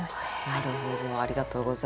なるほどありがとうございます。